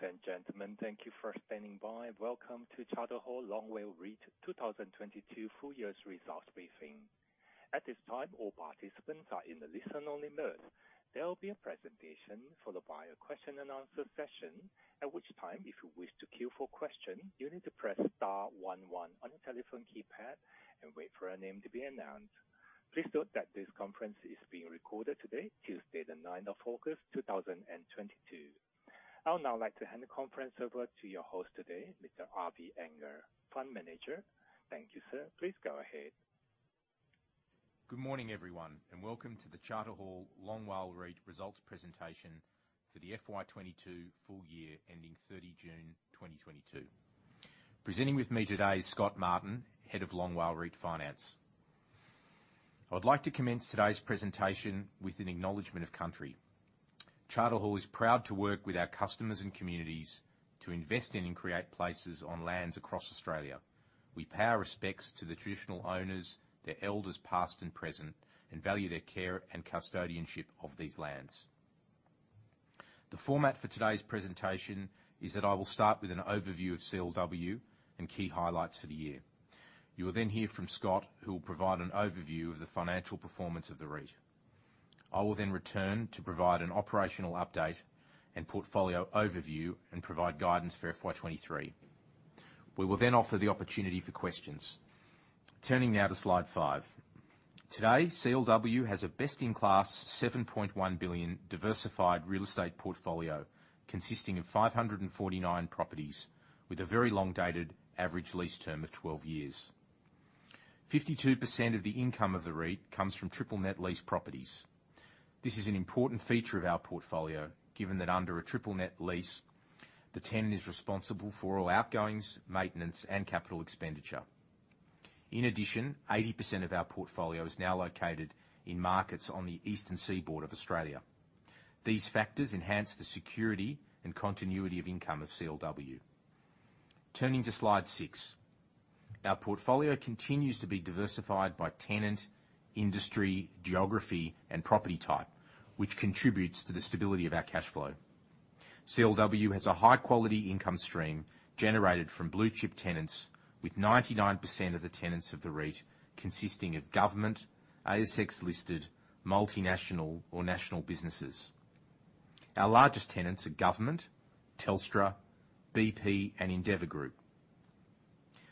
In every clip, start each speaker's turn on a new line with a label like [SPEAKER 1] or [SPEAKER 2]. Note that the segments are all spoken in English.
[SPEAKER 1] Ladies and gentlemen, thank you for standing by. Welcome to Charter Hall Long WALE REIT 2022 full year's results briefing. At this time, all participants are in the listen only mode. There will be a presentation followed by a question and answer session. At which time, if you wish to queue for a question, you need to press star one one on your telephone keypad and wait for a name to be announced. Please note that this conference is being recorded today, Tuesday, the 9th of August, 2022. I would now like to hand the conference over to your host today, Mr. Avi Anger, Fund Manager. Thank you, sir. Please go ahead.
[SPEAKER 2] Good morning, everyone, and welcome to the Charter Hall Long WALE REIT results presentation for the FY 2022 full year ending 30 June 2022. Presenting with me today is Scott Martin, Head of Long WALE REIT Finance. I would like to commence today's presentation with an acknowledgment of country. Charter Hall is proud to work with our customers and communities to invest in and create places on lands across Australia. We pay our respects to the traditional owners, their elders past and present, and value their care and custodianship of these lands. The format for today's presentation is that I will start with an overview of CLW and key highlights for the year. You will then hear from Scott, who will provide an overview of the financial performance of the REIT. I will then return to provide an operational update and portfolio overview and provide guidance for FY 2023. We will then offer the opportunity for questions. Turning now to slide five. Today, CLW has a best in class 7.1 billion diversified real estate portfolio consisting of 549 properties with a very long dated average lease term of 12 years. 52% of the income of the REIT comes from triple net lease properties. This is an important feature of our portfolio, given that under a triple net lease, the tenant is responsible for all outgoings, maintenance, and capital expenditure. In addition, 80% of our portfolio is now located in markets on the eastern seaboard of Australia. These factors enhance the security and continuity of income of CLW. Turning to slide six. Our portfolio continues to be diversified by tenant, industry, geography, and property type, which contributes to the stability of our cash flow. CLW has a high quality income stream generated from blue chip tenants with 99% of the tenants of the REIT consisting of government, ASX listed, multinational or national businesses. Our largest tenants are government, Telstra, BP and Endeavour Group.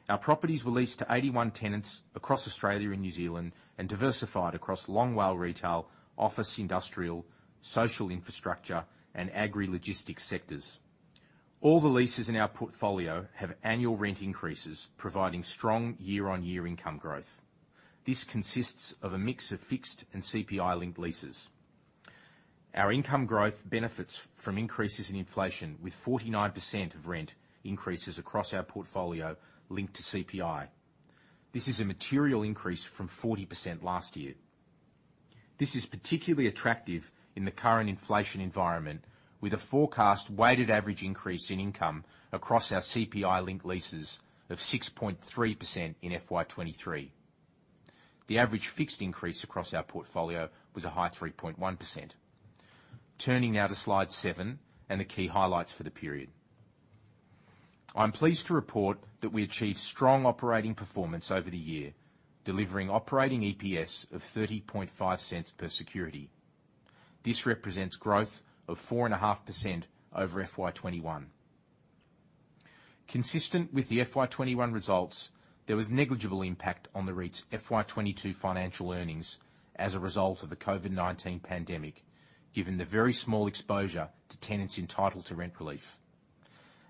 [SPEAKER 2] Our properties were leased to 81 tenants across Australia and New Zealand and diversified across Long WALE retail, office, industrial, social infrastructure and agri logistics sectors. All the leases in our portfolio have annual rent increases, providing strong year-on-year income growth. This consists of a mix of fixed and CPI linked leases. Our income growth benefits from increases in inflation with 49% of rent increases across our portfolio linked to CPI. This is a material increase from 40% last year. This is particularly attractive in the current inflation environment with a forecast weighted average increase in income across our CPI-linked leases of 6.3% in FY 2023. The average fixed increase across our portfolio was a high 3.1%. Turning now to slide seven and the key highlights for the period. I'm pleased to report that we achieved strong operating performance over the year, delivering operating EPS of 0.305 per security. This represents growth of 4.5% over FY 2021. Consistent with the FY 2021 results, there was negligible impact on the REIT's FY 2022 financial earnings as a result of the COVID-19 pandemic, given the very small exposure to tenants entitled to rent relief.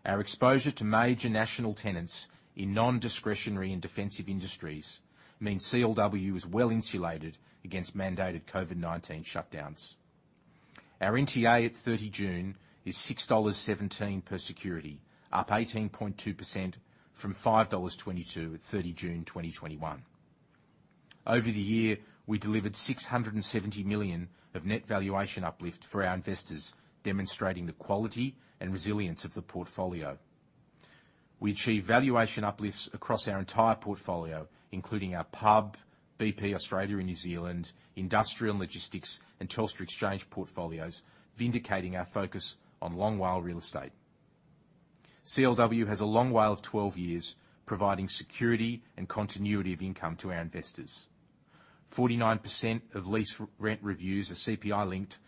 [SPEAKER 2] Our exposure to major national tenants in non-discretionary and defensive industries means CLW is well-insulated against mandated COVID-19 shutdowns. Our NTA at 30 June is 6.17 dollars per security, up 18.2% from 5.22 dollars at 30 June 2021. Over the year, we delivered 670 million of net valuation uplift for our investors, demonstrating the quality and resilience of the portfolio. We achieved valuation uplifts across our entire portfolio, including our Pub, BP Australia and New Zealand, industrial and logistics and Telstra Exchange portfolios, vindicating our focus on Long WALE real estate. CLW has a Long WALE of 12 years, providing security and continuity of income to our investors. 49% of lease rent reviews are CPI linked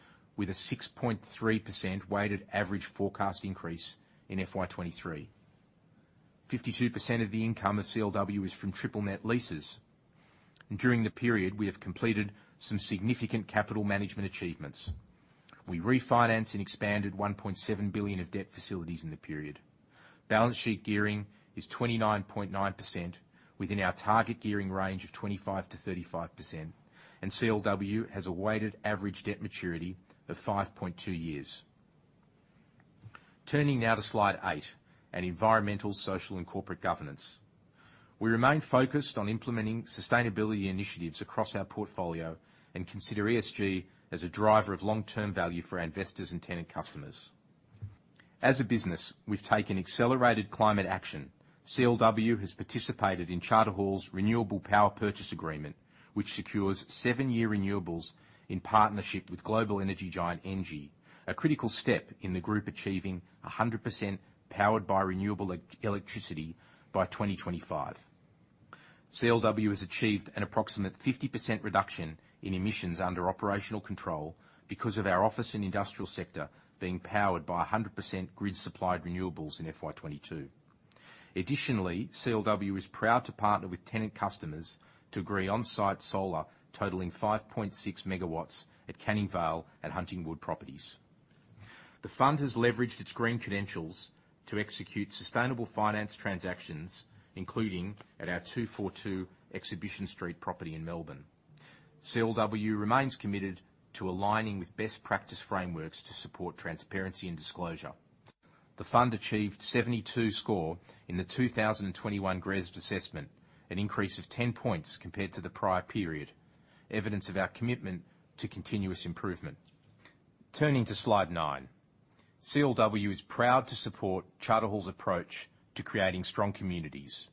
[SPEAKER 2] with a 6.3% weighted average forecast increase in FY 2023. 52% of the income of CLW is from triple net leases. During the period, we have completed some significant capital management achievements. We refinanced and expanded 1.7 billion of debt facilities in the period. Balance sheet gearing is 29.9% within our target gearing range of 25%-35%. CLW has a weighted average debt maturity of 5.2 years. Turning now to slide eight, environmental, social, and governance. We remain focused on implementing sustainability initiatives across our portfolio and consider ESG as a driver of long-term value for our investors and tenant customers. As a business, we've taken accelerated climate action. CLW has participated in Charter Hall's renewable power purchase agreement, which secures seven-year renewables in partnership with global energy giant ENGIE, a critical step in the group achieving 100% powered by renewable electricity by 2025. CLW has achieved an approximate 50% reduction in emissions under operational control because of our office and industrial sector being powered by 100% grid-supplied renewables in FY 2022. Additionally, CLW is proud to partner with tenant customers to agree on site solar totaling 5.6 MW at Canning Vale and Huntingwood properties. The fund has leveraged its green credentials to execute sustainable finance transactions, including at our 242 Exhibition Street property in Melbourne. CLW remains committed to aligning with best practice frameworks to support transparency and disclosure. The fund achieved 72 score in the 2021 GRESB assessment, an increase of 10 points compared to the prior period, evidence of our commitment to continuous improvement. Turning to slide nine. CLW is proud to support Charter Hall's approach to creating strong communities.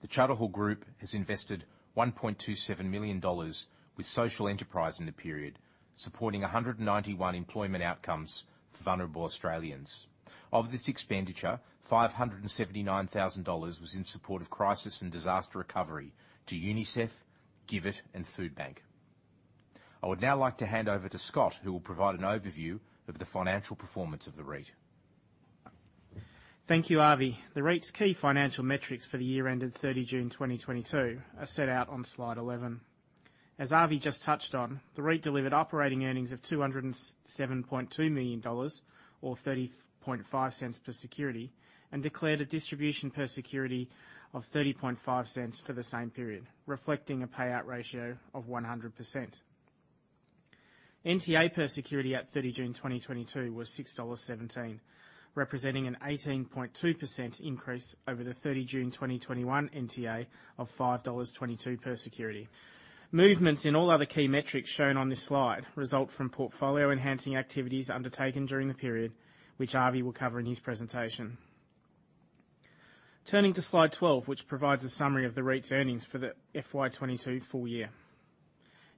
[SPEAKER 2] The Charter Hall Group has invested 1.27 million dollars with social enterprise in the period, supporting 191 employment outcomes for vulnerable Australians. Of this expenditure, 579,000 dollars was in support of crisis and disaster recovery to UNICEF, GIVIT, and Foodbank. I would now like to hand over to Scott, who will provide an overview of the financial performance of the REIT.
[SPEAKER 3] Thank you, Avi. The REIT's key financial metrics for the year ended 30 June 2022 are set out on slide 11. As Avi just touched on, the REIT delivered operating earnings of 207.2 million dollars, or 0.305 per security, and declared a distribution per security of 0.305 for the same period, reflecting a payout ratio of 100%. NTA per security at 30 June 2022 was 6.17 dollars, representing an 18.2% increase over the 30 June 2021 NTA of 5.22 dollars per security. Movements in all other key metrics shown on this slide result from portfolio-enhancing activities undertaken during the period, which Avi will cover in his presentation. Turning to slide 12, which provides a summary of the REIT's earnings for the FY 2022 full year.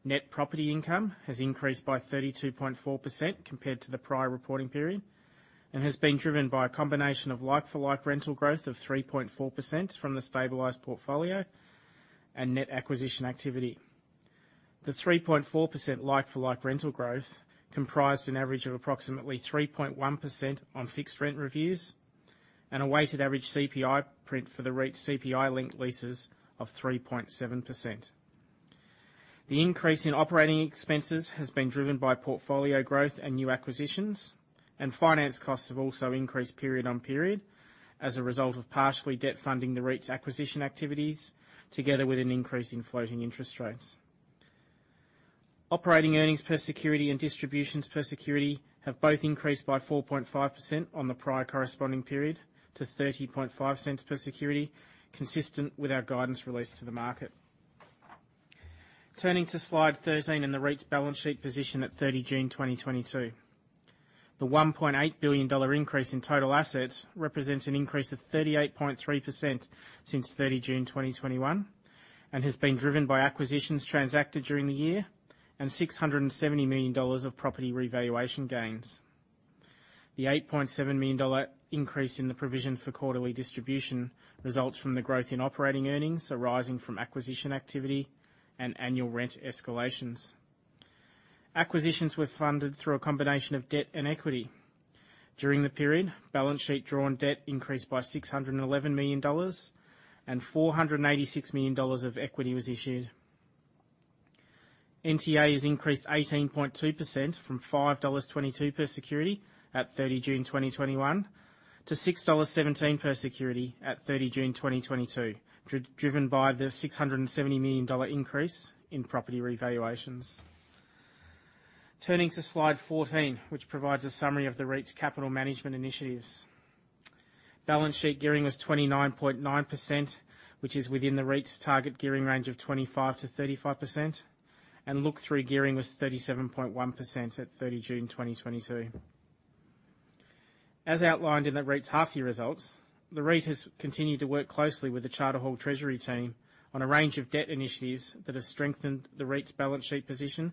[SPEAKER 3] Net property income has increased by 32.4% compared to the prior reporting period, and has been driven by a combination of like-for-like rental growth of 3.4% from the stabilized portfolio and net acquisition activity. The 3.4% like for like rental growth comprised an average of approximately 3.1% on fixed rent reviews and a weighted average CPI print for the REIT's CPI-linked leases of 3.7%. The increase in operating expenses has been driven by portfolio growth and new acquisitions, and finance costs have also increased period on period as a result of partially debt funding the REIT's acquisition activities together with an increase in floating interest rates. Operating earnings per security and distributions per security have both increased by 4.5% on the prior corresponding period to 0.305 per security, consistent with our guidance released to the market. Turning to slide 13 and the REIT's balance sheet position at 30 June 2022. The 1.8 billion dollar increase in total assets represents an increase of 38.3% since 30 June 2021 and has been driven by acquisitions transacted during the year and 670 million dollars of property revaluation gains. The 8.7 million dollar increase in the provision for quarterly distribution results from the growth in operating earnings arising from acquisition activity and annual rent escalations. Acquisitions were funded through a combination of debt and equity. During the period, balance sheet drawn debt increased by 611 million dollars, and 486 million dollars of equity was issued. NTA has increased 18.2% from 5.22 dollars per security at 30 June 2021 to 6.17 dollars per security at 30 June 2022, driven by the 670 million dollar increase in property revaluations. Turning to slide 14, which provides a summary of the REIT's capital management initiatives. Balance sheet gearing was 29.9%, which is within the REIT's target gearing range of 25%-35%, and look-through gearing was 37.1% at 30 June 2022. As outlined in the REIT's half-year results, the REIT has continued to work closely with the Charter Hall treasury team on a range of debt initiatives that have strengthened the REIT's balance sheet position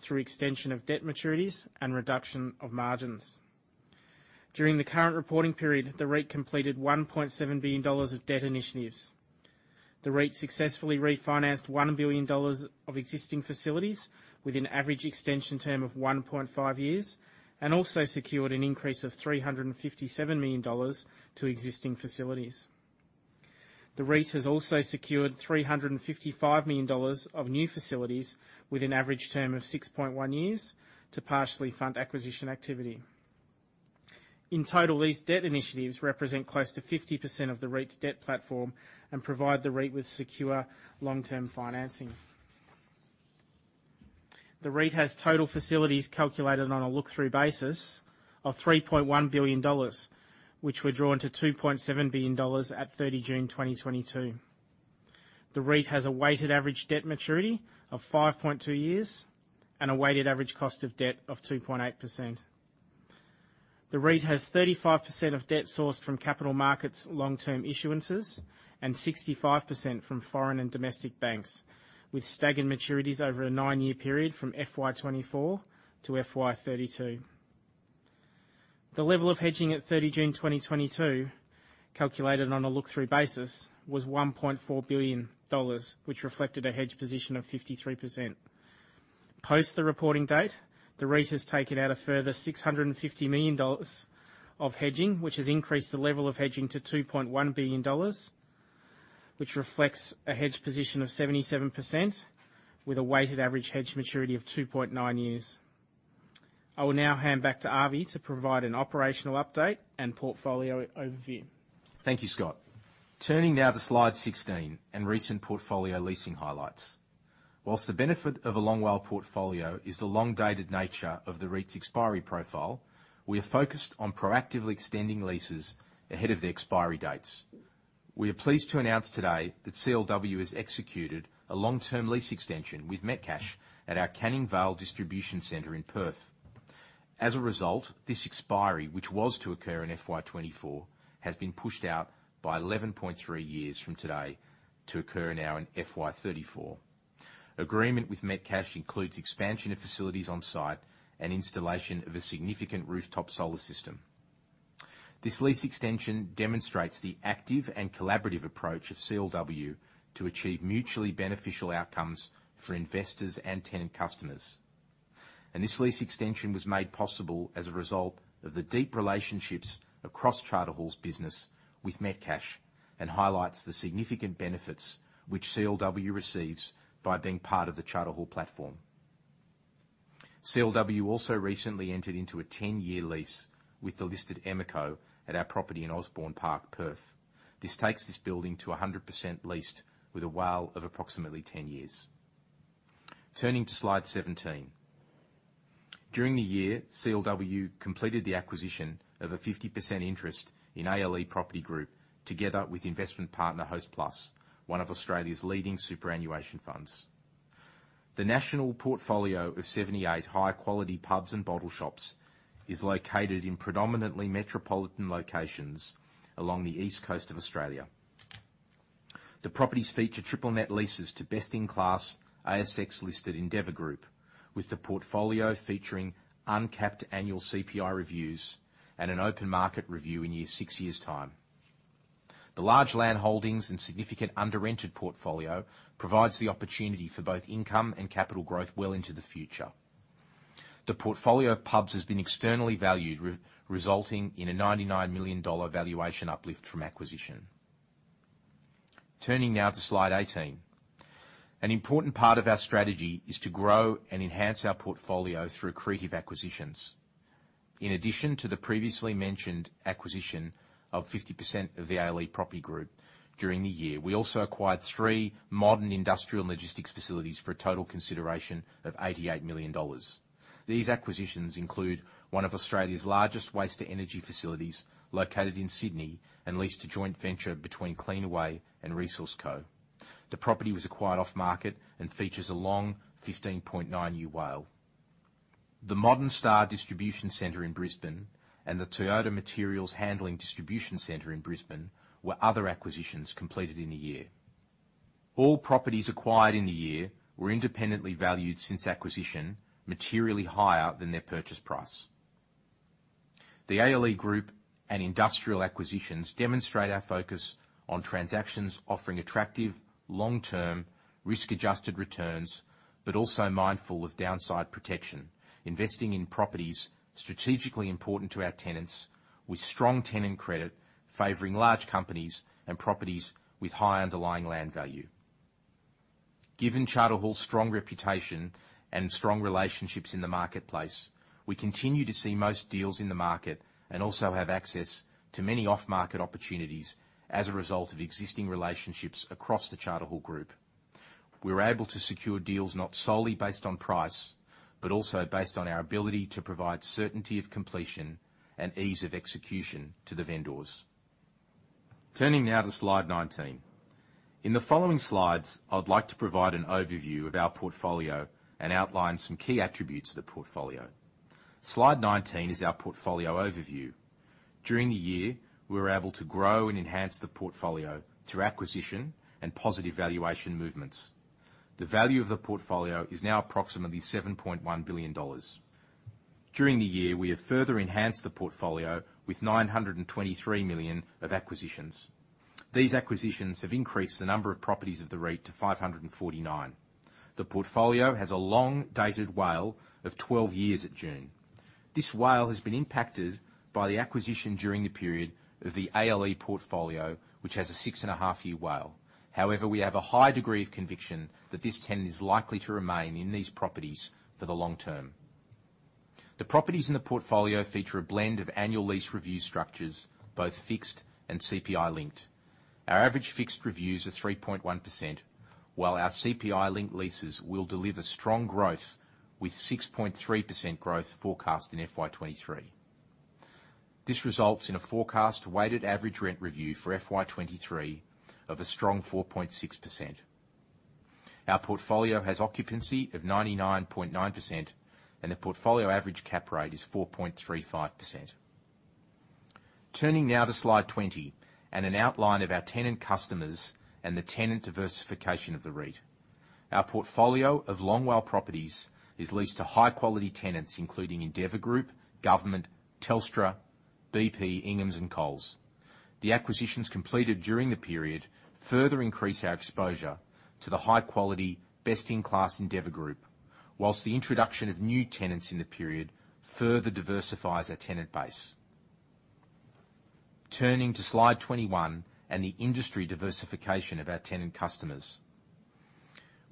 [SPEAKER 3] through extension of debt maturities and reduction of margins. During the current reporting period, the REIT completed 1.7 billion dollars of debt initiatives. The REIT successfully refinanced 1 billion dollars of existing facilities with an average extension term of 1.5 years and also secured an increase of AUD 357 million to existing facilities. The REIT has also secured AUD 355 million of new facilities with an average term of 6.1 years to partially fund acquisition activity. In total, these debt initiatives represent close to 50% of the REIT's debt platform and provide the REIT with secure long-term financing. The REIT has total facilities calculated on a look-through basis of 3.1 billion dollars, which were drawn to 2.7 billion dollars at 30 June 2022. The REIT has a weighted average debt maturity of 5.2 years and a weighted average cost of debt of 2.8%. The REIT has 35% of debt sourced from capital markets long-term issuances, and 65% from foreign and domestic banks, with staggered maturities over a nine-year period from FY 2024 to FY 2032. The level of hedging at 30 June 2022, calculated on a look-through basis, was 1.4 billion dollars, which reflected a hedge position of 53%. Post the reporting date, the REIT has taken out a further 650 million dollars of hedging, which has increased the level of hedging to 2.1 billion dollars, which reflects a hedge position of 77%, with a weighted average hedge maturity of 2.9 years. I will now hand back to Avi to provide an operational update and portfolio overview.
[SPEAKER 2] Thank you, Scott. Turning now to slide 16 and recent portfolio leasing highlights. While the benefit of a long WALE portfolio is the long-dated nature of the REIT's expiry profile, we are focused on proactively extending leases ahead of the expiry dates. We are pleased to announce today that CLW has executed a long-term lease extension with Metcash at our Canning Vale Distribution Center in Perth. As a result, this expiry, which was to occur in FY 2024, has been pushed out by 11.3 years from today to occur now in FY 2034. Agreement with Metcash includes expansion of facilities on site and installation of a significant rooftop solar system. This lease extension demonstrates the active and collaborative approach of CLW to achieve mutually beneficial outcomes for investors and tenant customers. This lease extension was made possible as a result of the deep relationships across Charter Hall's business with Metcash, and highlights the significant benefits which CLW receives by being part of the Charter Hall platform. CLW also recently entered into a 10-year lease with the listed Emeco at our property in Osborne Park, Perth. This takes this building to 100% leased with a WALE of approximately 10 years. Turning to slide 17. During the year, CLW completed the acquisition of a 50% interest in ALE Property Group, together with investment partner Hostplus, one of Australia's leading superannuation funds. The national portfolio of 78 high-quality pubs and bottle shops is located in predominantly metropolitan locations along the east coast of Australia. The properties feature triple net leases to best-in-class ASX-listed Endeavour Group, with the portfolio featuring uncapped annual CPI reviews and an open market review in six years' time. The large landholdings and significant under-rented portfolio provides the opportunity for both income and capital growth well into the future. The portfolio of pubs has been externally valued, resulting in a AUD 99 million valuation uplift from acquisition. Turning now to slide 18. An important part of our strategy is to grow and enhance our portfolio through accretive acquisitions. In addition to the previously mentioned acquisition of 50% of the ALE Property Group during the year, we also acquired three modern industrial logistics facilities for a total consideration of 88 million dollars. These acquisitions include one of Australia's largest waste-to-energy facilities located in Sydney and leased to joint venture between Cleanaway and ResourceCo. The property was acquired off-market and features a long 15.9-year WALE. The Modern Star Distribution Centre in Brisbane and the Toyota Material Handling Distribution Centre in Brisbane were other acquisitions completed in the year. All properties acquired in the year were independently valued since acquisition, materially higher than their purchase price. The ALE Group and industrial acquisitions demonstrate our focus on transactions offering attractive long-term risk-adjusted returns, but also mindful of downside protection, investing in properties strategically important to our tenants with strong tenant credit, favoring large companies and properties with high underlying land value. Given Charter Hall's strong reputation and strong relationships in the marketplace, we continue to see most deals in the market and also have access to many off-market opportunities as a result of existing relationships across the Charter Hall group. We are able to secure deals not solely based on price, but also based on our ability to provide certainty of completion and ease of execution to the vendors. Turning now to slide 19. In the following slides, I would like to provide an overview of our portfolio and outline some key attributes of the portfolio. Slide 19 is our portfolio overview. During the year, we were able to grow and enhance the portfolio through acquisition and positive valuation movements. The value of the portfolio is now approximately 7.1 billion dollars. During the year, we have further enhanced the portfolio with 923 million of acquisitions. These acquisitions have increased the number of properties of the REIT to 549. The portfolio has a long-dated WALE of 12 years at June. This WALE has been impacted by the acquisition during the period of the ALE portfolio, which has a 6.5-year WALE. However, we have a high degree of conviction that this tenant is likely to remain in these properties for the long term. The properties in the portfolio feature a blend of annual lease review structures, both fixed and CPI-linked. Our average fixed reviews are 3.1%, while our CPI-linked leases will deliver strong growth with 6.3% growth forecast in FY 2023. This results in a forecast weighted average rent review for FY 2023 of a strong 4.6%. Our portfolio has occupancy of 99.9%, and the portfolio average cap rate is 4.35%. Turning now to slide 20, and an outline of our tenant customers and the tenant diversification of the REIT. Our portfolio of Long WALE properties is leased to high quality tenants, including Endeavour Group, government, Telstra, BP, Ingham's, and Coles. The acquisitions completed during the period further increase our exposure to the high quality, best in class Endeavour Group. While the introduction of new tenants in the period further diversifies our tenant base. Turning to slide 21 and the industry diversification of our tenant customers.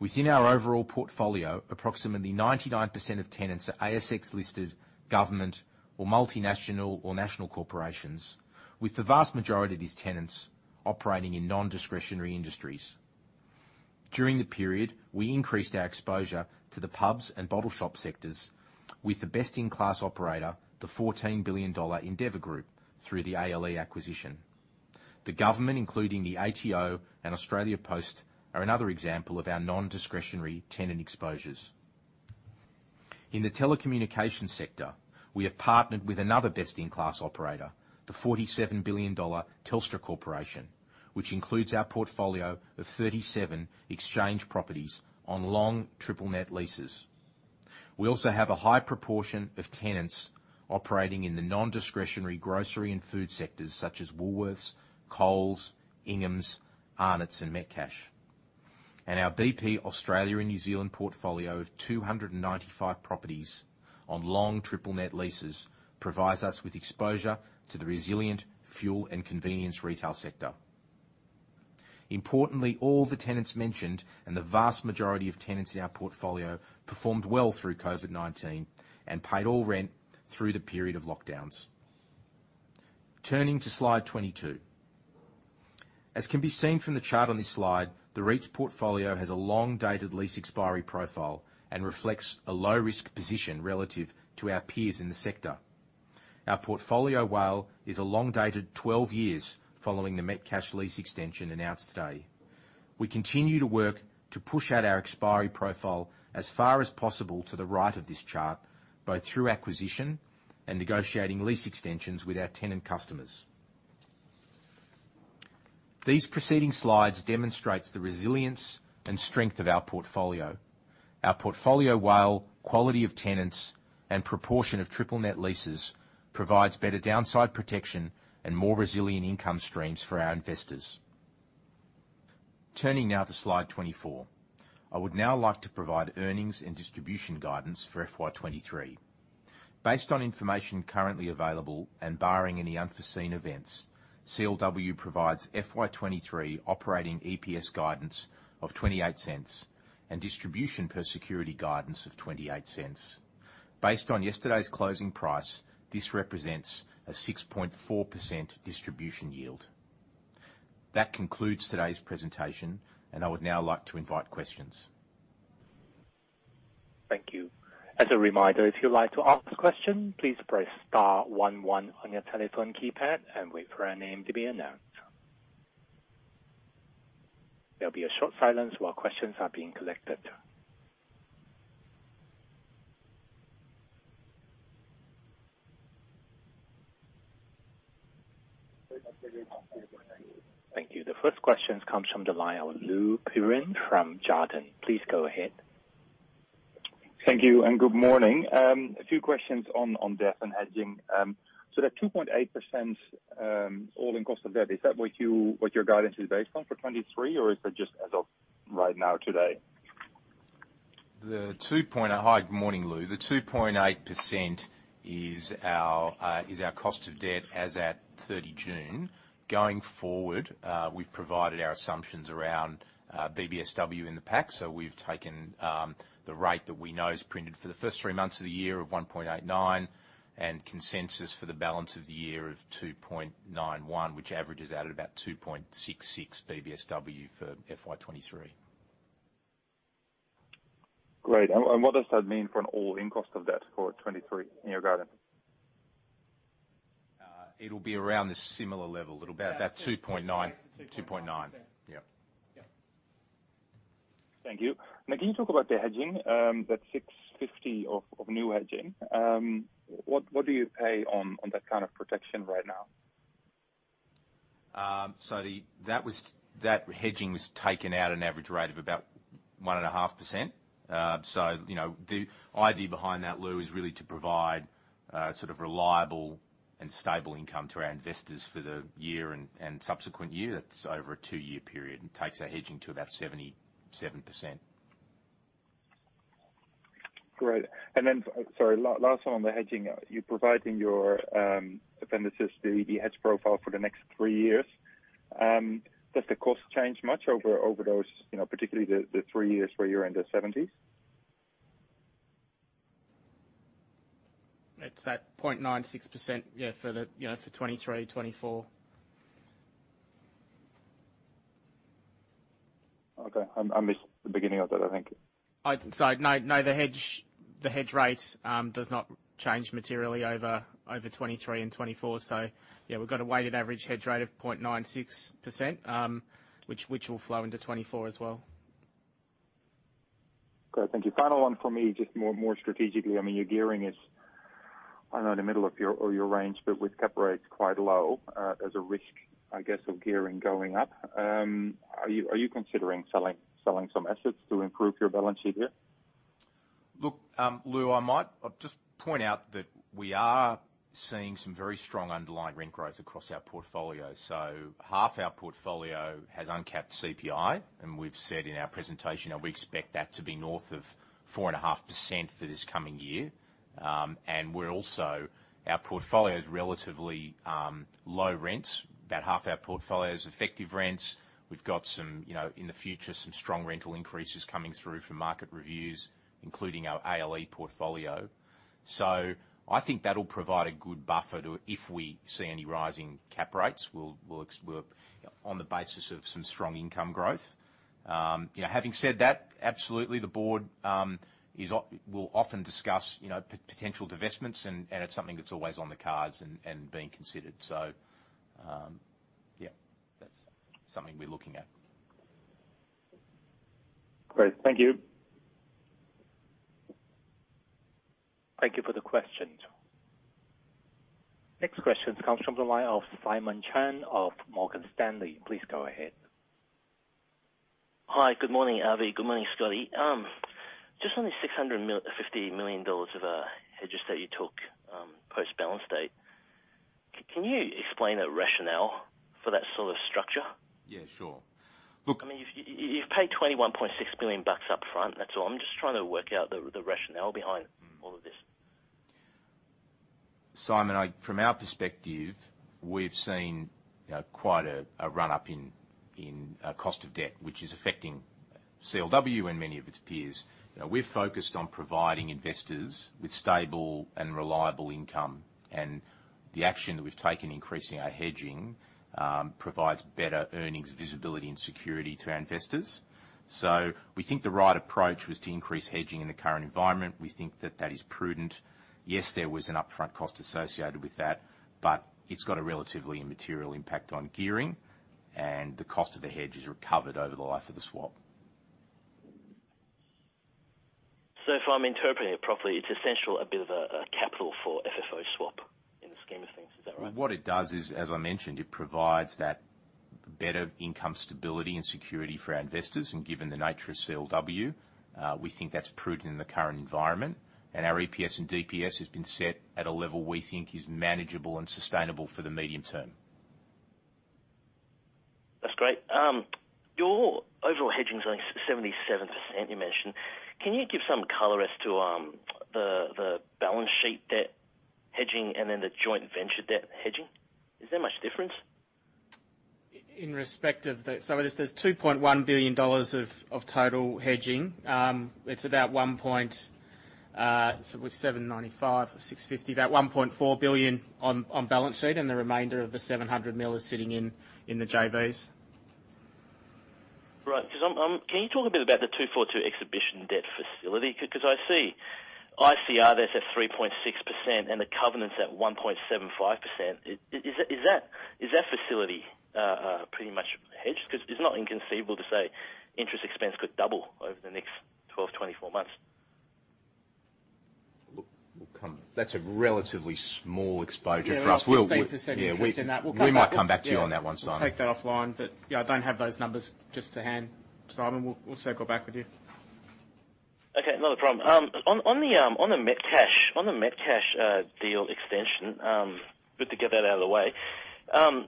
[SPEAKER 2] Within our overall portfolio, approximately 99% of tenants are ASX-listed government or multinational or national corporations, with the vast majority of these tenants operating in non-discretionary industries. During the period, we increased our exposure to the pubs and bottle shop sectors with the best in class operator, the AUD 14 billion Endeavour Group through the ALE acquisition. The government, including the ATO and Australia Post, are another example of our non-discretionary tenant exposures. In the telecommunications sector, we have partnered with another best in class operator, the 47 billion dollar Telstra Corporation, which includes our portfolio of 37 exchange properties on long triple net leases. We also have a high proportion of tenants operating in the non-discretionary grocery and food sectors such as Woolworths, Coles, Ingham's, Arnott's, and Metcash. Our BP Australia and New Zealand portfolio of 295 properties on long triple net leases provides us with exposure to the resilient fuel and convenience retail sector. Importantly, all the tenants mentioned and the vast majority of tenants in our portfolio performed well through COVID-19 and paid all rent through the period of lockdowns. Turning to slide 22. As can be seen from the chart on this slide, the REIT's portfolio has a long dated lease expiry profile and reflects a low risk position relative to our peers in the sector. Our portfolio WALE is a long dated 12 years following the Metcash lease extension announced today. We continue to work to push out our expiry profile as far as possible to the right of this chart, both through acquisition and negotiating lease extensions with our tenant customers. These preceding slides demonstrates the resilience and strength of our portfolio. Our portfolio WALE, quality of tenants, and proportion of triple net leases provides better downside protection and more resilient income streams for our investors. Turning now to slide 24. I would now like to provide earnings and distribution guidance for FY 2023. Based on information currently available and barring any unforeseen events, CLW provides FY 2023 operating EPS guidance of 0.28 and distribution per security guidance of 0.28. Based on yesterday's closing price, this represents a 6.4% distribution yield. That concludes today's presentation, and I would now like to invite questions.
[SPEAKER 1] Thank you. As a reminder, if you'd like to ask a question, please press star one one on your telephone keypad and wait for your name to be announced. There'll be a short silence while questions are being collected. Thank you. The first question comes from the line of Lou Pirenc from Jarden. Please go ahead.
[SPEAKER 4] Thank you and good morning. A few questions on debt and hedging. The 2.8% all-in cost of debt, is that what your guidance is based on for 2023, or is it just as of right now today?
[SPEAKER 2] Hi, good morning, Lou. The 2.8% is our cost of debt as at 30 June. Going forward, we've provided our assumptions around BBSW in the pack. We've taken the rate that we know is printed for the first three months of the year of 1.89%, and consensus for the balance of the year of 2.91%, which averages out at about 2.66% BBSW for FY 2023.
[SPEAKER 4] Great. What does that mean for an all-in cost of debt for 2023 in your guidance?
[SPEAKER 2] It'll be around the similar level. About that 2.9%.
[SPEAKER 3] 2.9%.
[SPEAKER 2] 2.9%. Yep.
[SPEAKER 3] Yep.
[SPEAKER 4] Thank you. Now, can you talk about the hedging? That 650 of new hedging. What do you pay on that kind of protection right now?
[SPEAKER 2] That hedging was taken at an average rate of about 1.5%. You know, the idea behind that, Lou, is really to provide a sort of reliable and stable income to our investors for the year and subsequent year. That's over a two-year period and takes our hedging to about 77%.
[SPEAKER 4] Great. Sorry, last one on the hedging. You're providing your appendices, the hedge profile for the next three years. Does the cost change much over those, you know, particularly the three years where you're in the seventies?
[SPEAKER 3] It's that 0.96%, yeah, for the, you know, for 2023, 2024.
[SPEAKER 4] Okay. I missed the beginning of that, I think.
[SPEAKER 3] The hedge rate does not change materially over 2023 and 2024. We've got a weighted average hedge rate of 0.96%, which will flow into 2024 as well.
[SPEAKER 4] Okay, thank you. Final one for me, just more strategically. I mean, your gearing is, I know in the middle of your range, but with cap rates quite low, there's a risk, I guess, of gearing going up. Are you considering selling some assets to improve your balance sheet here?
[SPEAKER 2] Look, Lou, I might, I'll just point out that we are seeing some very strong underlying rent growth across our portfolio. Half our portfolio has uncapped CPI, and we've said in our presentation that we expect that to be north of 4.5% for this coming year. We're also our portfolio is relatively low rents. About half our portfolio is effective rents. We've got some, you know, in the future, some strong rental increases coming through from market reviews, including our ALE portfolio. I think that'll provide a good buffer to, if we see any rising cap rates, we'll on the basis of some strong income growth. You know, having said that, absolutely, the board will often discuss, you know, potential divestments and it's something that's always on the cards and being considered. Yeah, that's something we're looking at.
[SPEAKER 4] Great. Thank you.
[SPEAKER 1] Thank you for the question. Next question comes from the line of Simon Chan of Morgan Stanley. Please go ahead.
[SPEAKER 5] Hi. Good morning, Avi. Good morning, Scotty. Just on the 50 million dollars of hedges that you took post-balance date, can you explain the rationale for that sort of structure?
[SPEAKER 2] Yeah, sure.
[SPEAKER 5] I mean, you've paid 21.6 billion bucks up front. That's all. I'm just trying to work out the rationale behind all of this.
[SPEAKER 2] Simon, from our perspective, we've seen, you know, quite a run-up in cost of debt, which is affecting CLW and many of its peers. You know, we're focused on providing investors with stable and reliable income, and the action that we've taken increasing our hedging provides better earnings visibility and security to our investors. We think the right approach was to increase hedging in the current environment. We think that is prudent. Yes, there was an upfront cost associated with that, but it's got a relatively immaterial impact on gearing, and the cost of the hedge is recovered over the life of the swap.
[SPEAKER 5] If I'm interpreting it properly, it's essentially a bit of a capital/FFO swap in the scheme of things. Is that right?
[SPEAKER 2] What it does is, as I mentioned, it provides that better income stability and security for our investors. Given the nature of CLW, we think that's prudent in the current environment. Our EPS and DPS has been set at a level we think is manageable and sustainable for the medium term.
[SPEAKER 5] That's great. Your overall hedging is only 77%, you mentioned. Can you give some color as to the balance sheet debt hedging and then the joint venture debt hedging? Is there much difference?
[SPEAKER 3] In respect of the total hedging, there's 2.1 billion dollars. It's about 795 million, 650 million, about 1.4 billion on balance sheet, and the remainder of the 700 million is sitting in the JVs.
[SPEAKER 5] Right. Can you talk a bit about the 242 existing debt facility? Cause I see ICR it's at 3.6% and the covenant's at 1.75%. Is that facility pretty much hedged? Cause it's not inconceivable to say interest expense could double over the next 12-24 months.
[SPEAKER 2] That's a relatively small exposure for us.
[SPEAKER 3] Yeah.
[SPEAKER 2] Well, we
[SPEAKER 3] There's 15% interest in that. We'll come back.
[SPEAKER 2] We might come back to you on that one, Simon.
[SPEAKER 3] We'll take that offline. Yeah, I don't have those numbers just to hand, Simon. We'll circle back with you.
[SPEAKER 5] Okay. Not a problem. On the Metcash deal extension, good to get that out of the way.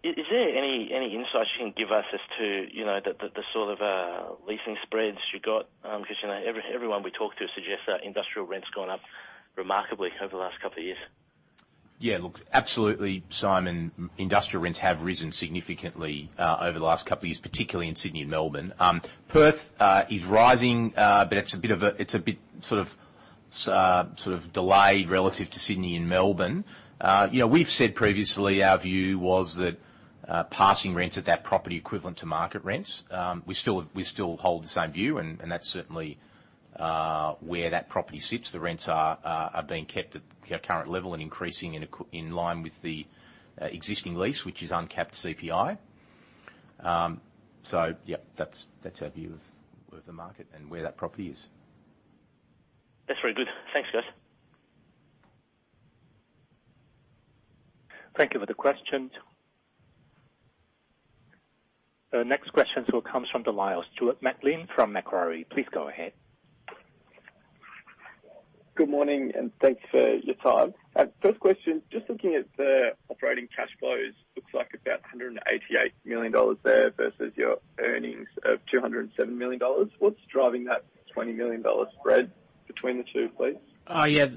[SPEAKER 5] Is there any insights you can give us as to, you know, the sort of leasing spreads you got? 'Cause, you know, everyone we talk to suggests that industrial rent's gone up remarkably over the last couple of years.
[SPEAKER 2] Yeah. Look, absolutely, Simon. Industrial rents have risen significantly over the last couple of years, particularly in Sydney and Melbourne. Perth is rising, but it's a bit sort of delayed relative to Sydney and Melbourne. You know, we've said previously our view was that passing rents at that property equivalent to market rents, we still hold the same view, and that's certainly where that property sits. The rents are being kept at current level and increasing in line with the existing lease, which is uncapped CPI. Yeah, that's our view of the market and where that property is.
[SPEAKER 5] That's very good. Thanks, guys.
[SPEAKER 1] Thank you for the question. The next question comes from the line of Stuart McLean from Macquarie. Please go ahead.
[SPEAKER 6] Good morning, and thanks for your time. First question, just looking at the operating cash flows, looks like about 188 million dollars there versus your earnings of 207 million dollars. What's driving that 20 million dollars spread between the two, please?
[SPEAKER 3] Oh, yeah.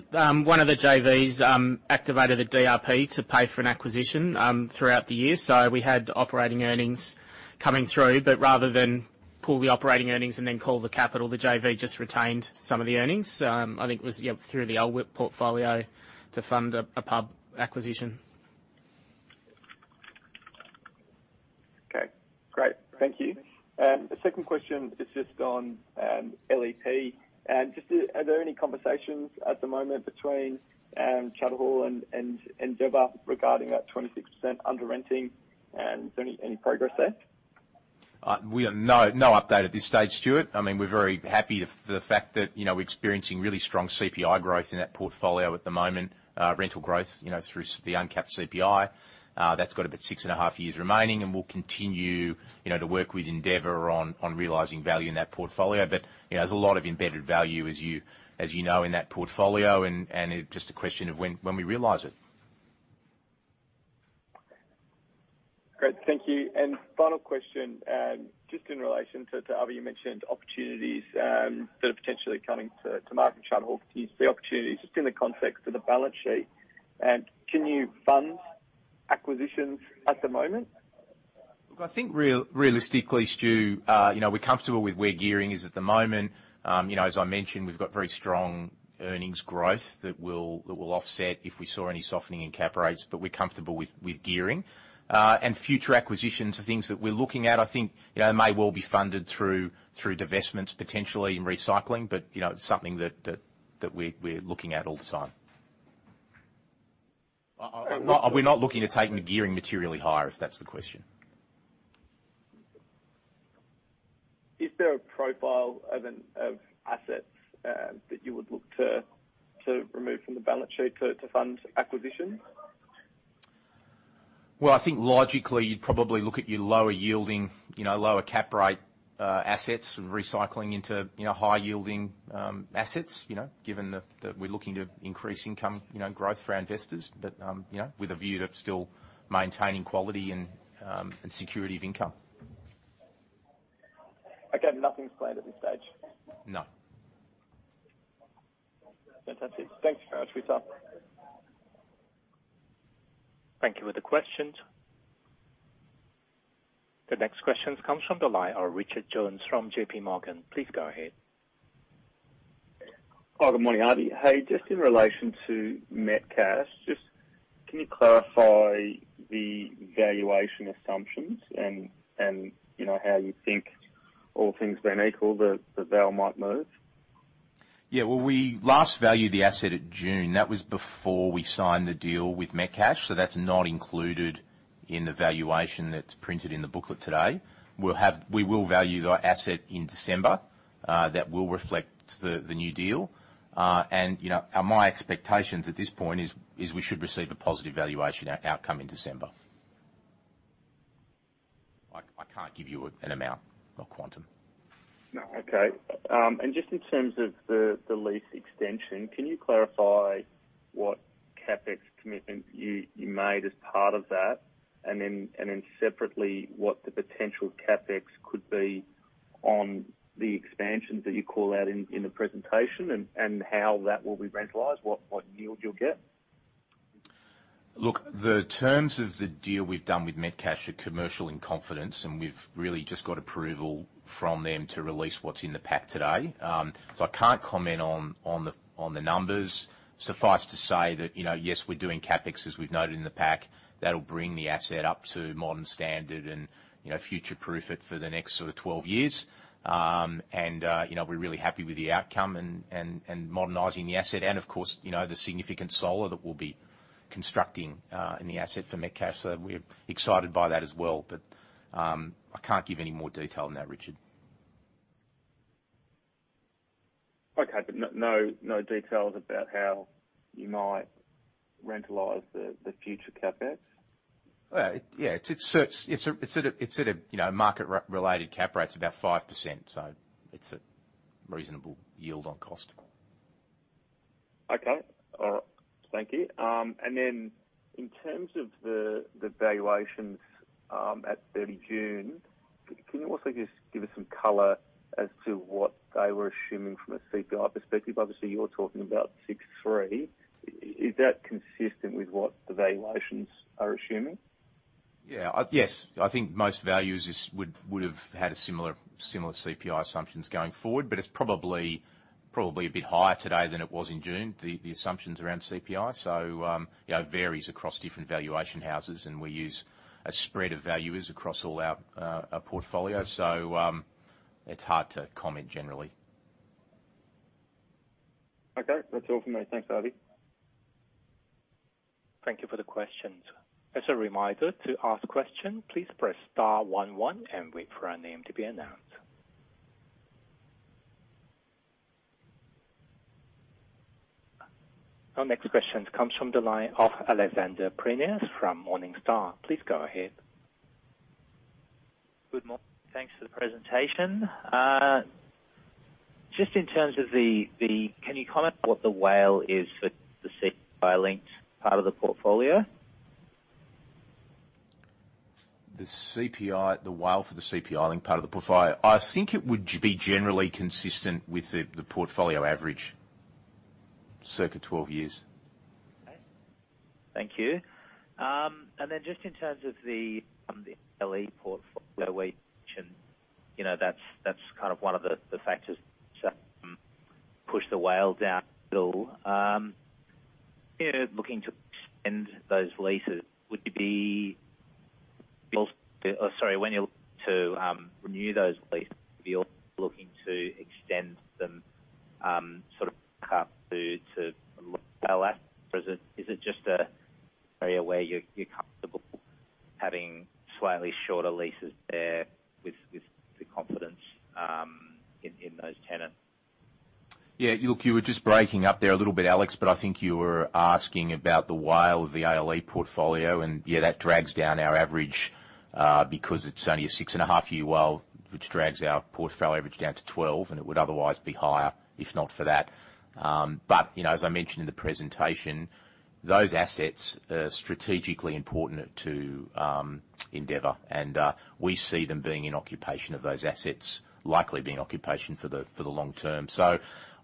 [SPEAKER 3] One of the JVs activated a DRP to pay for an acquisition throughout the year. We had operating earnings coming through. Rather than pull the operating earnings and then call the capital, the JV just retained some of the earnings, I think it was, yeah, through the ALE portfolio to fund a pub acquisition.
[SPEAKER 6] Okay, great. Thank you. The second question is just on LEP. Just, are there any conversations at the moment between Charter Hall and Endeavour regarding that 26% undertenanting? Any progress there?
[SPEAKER 2] No, no update at this stage, Stuart. I mean, we're very happy with the fact that, you know, we're experiencing really strong CPI growth in that portfolio at the moment. Rental growth, you know, through the uncapped CPI, that's got about 6.5 years remaining, and we'll continue, you know, to work with Endeavour on realizing value in that portfolio. You know, there's a lot of embedded value as you know, in that portfolio and it's just a question of when we realize it.
[SPEAKER 6] Great. Thank you. Final question, just in relation to Avi, you mentioned opportunities that are potentially coming to market Charter Hall. Can you see opportunities just in the context of the balance sheet? Can you fund acquisitions at the moment?
[SPEAKER 2] Look, I think realistically, Stu, you know, we're comfortable with where gearing is at the moment. You know, as I mentioned, we've got very strong earnings growth that will offset if we saw any softening in cap rates, but we're comfortable with gearing. Future acquisitions are things that we're looking at, I think, you know, may well be funded through divestments potentially and recycling, but, you know, it's something that we're looking at all the time. We're not looking to take the gearing materially higher, if that's the question.
[SPEAKER 6] Is there a profile of assets that you would look to remove from the balance sheet to fund acquisitions?
[SPEAKER 2] Well, I think logically, you'd probably look at your lower yielding, you know, lower cap rate assets and recycling into, you know, high yielding assets, you know, given that that we're looking to increase income, you know, growth for our investors. But, you know, with a view to still maintaining quality and security of income.
[SPEAKER 6] Again, nothing's planned at this stage?
[SPEAKER 2] No.
[SPEAKER 6] Fantastic. Thanks for your time.
[SPEAKER 1] Thank you for the questions. The next questions comes from the line of Richard Jones from JPMorgan. Please go ahead.
[SPEAKER 7] Good morning, Avi. Hey, just in relation to Metcash, just can you clarify the valuation assumptions and, you know, how you think all things being equal, the value might move?
[SPEAKER 2] Well, we last valued the asset at June. That was before we signed the deal with Metcash, so that's not included in the valuation that's printed in the booklet today. We will value the asset in December. That will reflect the new deal. You know, my expectations at this point is we should receive a positive valuation outcome in December. I can't give you an amount or quantum.
[SPEAKER 7] No. Okay. Just in terms of the lease extension, can you clarify what CapEx commitments you made as part of that? Then separately, what the potential CapEx could be on the expansions that you call out in the presentation and how that will be rentalized, what yield you'll get?
[SPEAKER 2] Look, the terms of the deal we've done with Metcash are commercial in confidence, and we've really just got approval from them to release what's in the pack today. I can't comment on the numbers. Suffice to say that, you know, yes, we're doing CapEx, as we've noted in the pack. That'll bring the asset up to modern standard and, you know, future-proof it for the next sort of 12 years. We're really happy with the outcome and modernizing the asset and of course, you know, the significant solar that we'll be constructing in the asset for Metcash. We're excited by that as well. I can't give any more detail on that, Richard.
[SPEAKER 7] Okay. No details about how you might rentalize the future CapEx.
[SPEAKER 2] Well, yeah. It's at a, you know, market re-related cap rate. It's about 5%. It's a reasonable yield on cost.
[SPEAKER 7] Okay. Thank you. In terms of the valuations at 30 June, can you also just give us some color as to what they were assuming from a CPI perspective? Obviously, you're talking about 6.3%. Is that consistent with what the valuations are assuming?
[SPEAKER 2] Yes. I think most valuers would've had a similar CPI assumptions going forward, but it's probably a bit higher today than it was in June, the assumptions around CPI. You know, it varies across different valuation houses, and we use a spread of valuers across all our portfolio. It's hard to comment generally.
[SPEAKER 7] Okay. That's all for me. Thanks, Avi.
[SPEAKER 1] Thank you for the questions. As a reminder, to ask question, please press star one one and wait for your name to be announced. Our next questions comes from the line of Alexander Prineas from Morningstar. Please go ahead.
[SPEAKER 8] Good morning. Thanks for the presentation. Just in terms of the, can you comment what the WALE is for the CPI linked part of the portfolio?
[SPEAKER 2] The CPI, the WALE for the CPI-linked part of the portfolio, I think it would be generally consistent with the portfolio average, circa 12 years.
[SPEAKER 8] Okay. Thank you. Just in terms of the LEP portfolio we mentioned, you know, that's kind of one of the factors. Push the WALE down a little. You know, when you look to renew those leases, would you be looking to extend them sort of up to or is it just an area where you're comfortable having slightly shorter leases there with the confidence in those tenants?
[SPEAKER 2] Yeah. Look, you were just breaking up there a little bit, Alex, but I think you were asking about the WALE of the ALE portfolio and that drags down our average because it's only a six and a half year WALE, which drags our portfolio average down to 12 years and it would otherwise be higher if not for that. You know, as I mentioned in the presentation, those assets are strategically important to Endeavour and we see them being in occupation of those assets, likely being occupation for the long term.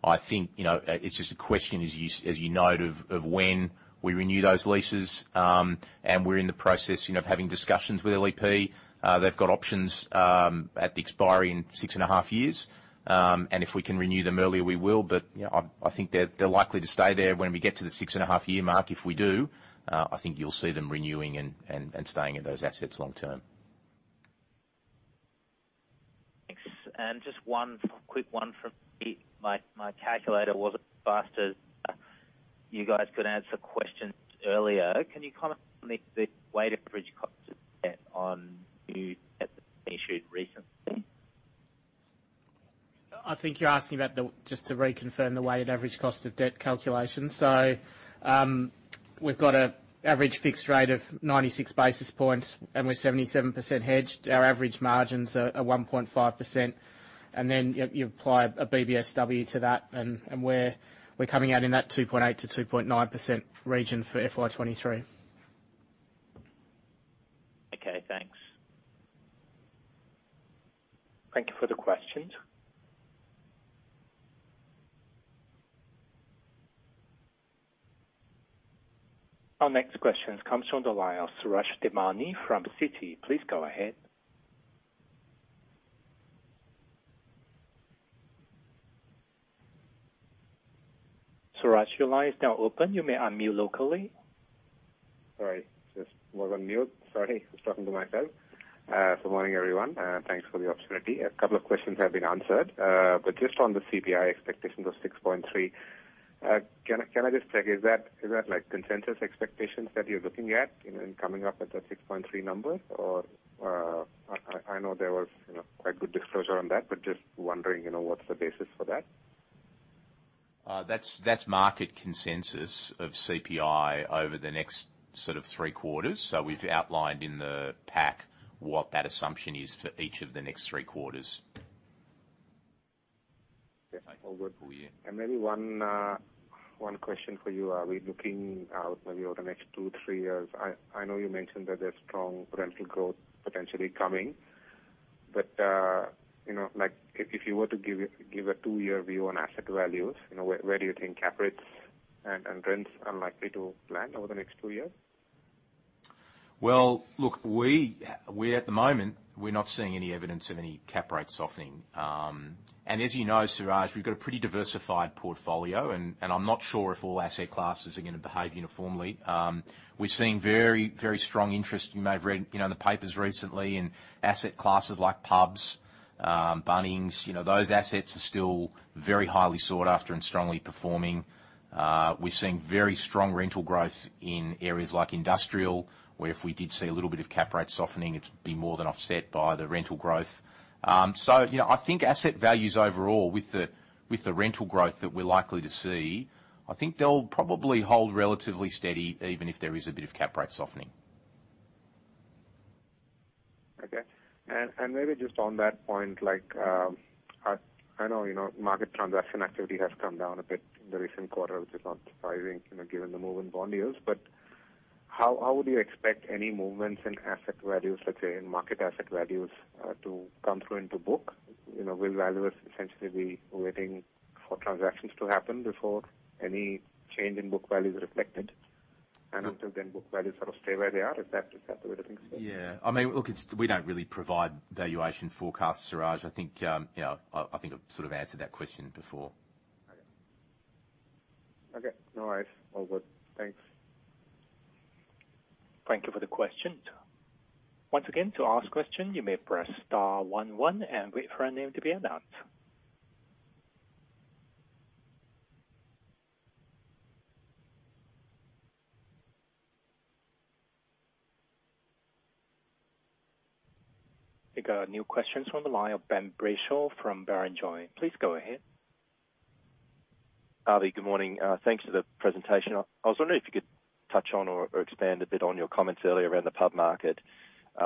[SPEAKER 2] I think, you know, it's just a question as you note of when we renew those leases. We're in the process, you know, of having discussions with LEP. They've got options at the expiry in six and a half years. If we can renew them earlier, we will. You know, I think they're likely to stay there when we get to the six and a half year mark. If we do, I think you'll see them renewing and staying at those assets long term.
[SPEAKER 8] Thanks. Just one quick one from me. My calculator wasn't as fast as you guys could answer questions earlier. Can you comment on the weighted average cost of debt on new debt that's been issued recently?
[SPEAKER 3] I think you're asking about. Just to reconfirm the weighted average cost of debt calculation. We've got an average fixed rate of 96 basis points and we're 77% hedged. Our average margins are 1.5%. Then you apply a BBSW to that and we're coming out in that 2.8%-2.9% region for FY 2023.
[SPEAKER 8] Okay, thanks.
[SPEAKER 1] Thank you for the question. Our next question comes from the line of Suraj Nebhani from Citi. Please go ahead. Suraj, your line is now open. You may unmute locally.
[SPEAKER 9] Sorry, just was on mute. Sorry. I was talking to myself. Good morning, everyone. Thanks for the opportunity. A couple of questions have been answered. Just on the CPI expectations of 6.3%, can I just check, is that like consensus expectations that you're looking at in coming up with the 6.3% number? I know there was, you know, quite good disclosure on that, but just wondering, you know, what's the basis for that?
[SPEAKER 2] That's market consensus of CPI over the next sort of three quarters. We've outlined in the pack what that assumption is for each of the next three quarters.
[SPEAKER 9] Yeah. All good.
[SPEAKER 2] Full year.
[SPEAKER 9] Maybe one question for you. Are we looking out maybe over the next two to three years? I know you mentioned that there's strong rental growth potentially coming, but you know, like if you were to give a two-year view on asset values, you know, where do you think cap rates and rents are likely to land over the next two years?
[SPEAKER 2] Well, look, we at the moment, we're not seeing any evidence of any cap rate softening. As you know, Suraj, we've got a pretty diversified portfolio and I'm not sure if all asset classes are gonna behave uniformly. We're seeing very strong interest. You may have read, you know, in the papers recently in asset classes like pubs, Bunnings, you know, those assets are still very highly sought after and strongly performing. We're seeing very strong rental growth in areas like industrial, where if we did see a little bit of cap rate softening, it'd be more than offset by the rental growth. You know, I think asset values overall with the rental growth that we're likely to see, I think they'll probably hold relatively steady even if there is a bit of cap rate softening.
[SPEAKER 9] Okay. Maybe just on that point, like, I know, you know, market transaction activity has come down a bit in the recent quarter, which is not surprising, you know, given the move in bond yields. But how would you expect any movements in asset values, let's say in market asset values, to come through into book? You know, will valuers essentially be waiting for transactions to happen before any change in book value is reflected?
[SPEAKER 2] Mm-hmm.
[SPEAKER 9] Until then, book values sort of stay where they are. Is that the way to think of it?
[SPEAKER 2] Yeah. I mean, look, it's, we don't really provide valuation forecasts, Suraj. I think, you know, I think I've sort of answered that question before.
[SPEAKER 9] Okay. No worries. All good. Thanks.
[SPEAKER 1] Thank you for the question. Once again, to ask question you may press star one one and wait for your name to be announced. I think I have new questions from the line of Ben Brayshaw from Barrenjoey. Please go ahead.
[SPEAKER 10] Avi, good morning. Thanks for the presentation. I was wondering if you could touch on or expand a bit on your comments earlier around the pub market.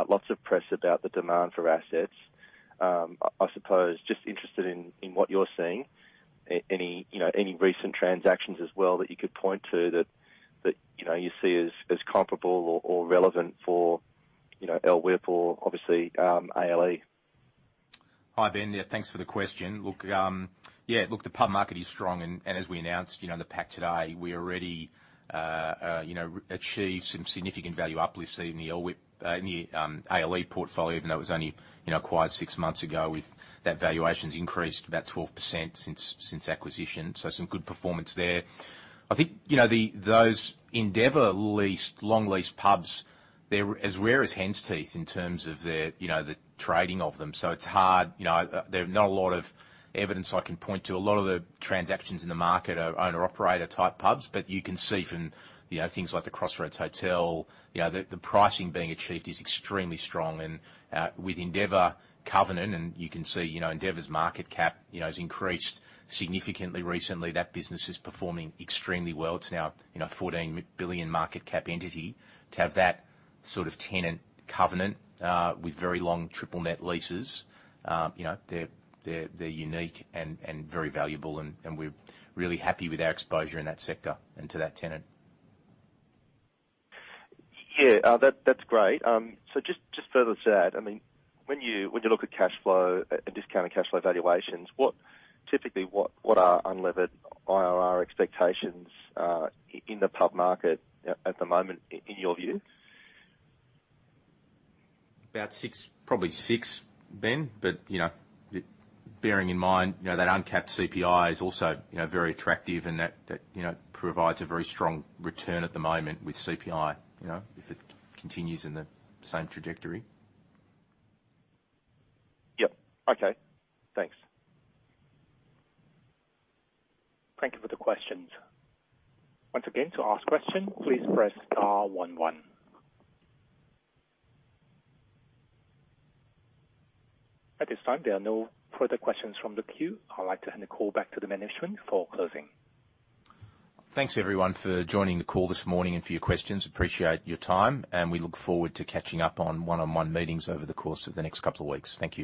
[SPEAKER 10] Lots of press about the demand for assets. I suppose just interested in what you're seeing. Any, you know, any recent transactions as well that you could point to that you know you see as comparable or relevant for, you know, LWIP or obviously ALE.
[SPEAKER 2] Hi, Ben. Yeah, thanks for the question. Look, yeah, look, the pub market is strong and as we announced, you know, in the pack today, we already you know, achieved some significant value uplift in the LWIP in the ALE portfolio even though it was only, you know, acquired six months ago. That valuation's increased about 12% since acquisition. So some good performance there. I think, you know, those Endeavour leased long leased pubs, they're as rare as hen's teeth in terms of their, you know, the trading of them. So it's hard, you know, there are not a lot of evidence I can point to. A lot of the transactions in the market are owner/operator type pubs. You can see from, you know, things like the Crossroads Hotel, you know, the pricing being achieved is extremely strong. With Endeavour covenant, you can see, you know, Endeavour's market cap, you know, has increased significantly recently. That business is performing extremely well. It's now, you know, 14 billion market cap entity. To have that sort of tenant covenant with very long triple net leases, you know, they're unique and very valuable and we're really happy with our exposure in that sector and to that tenant.
[SPEAKER 10] Yeah. That's great. So just further to that, I mean, when you look at cash flow and discounted cash flow valuations, what typically are unlevered IRR expectations in the pub market at the moment in your view?
[SPEAKER 2] About six. Probably six, Ben. You know, bearing in mind, you know, that uncapped CPI is also, you know, very attractive and that, you know, provides a very strong return at the moment with CPI, you know, if it continues in the same trajectory.
[SPEAKER 10] Yep. Okay. Thanks.
[SPEAKER 1] Thank you for the questions. Once again, to ask question, please press star one one. At this time, there are no further questions from the queue. I'd like to hand the call back to the management for closing.
[SPEAKER 2] Thanks, everyone, for joining the call this morning and for your questions. Appreciate your time, and we look forward to catching up on one-on-one meetings over the course of the next couple of weeks. Thank you.